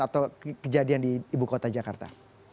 atau kejadian di ibu kota jakarta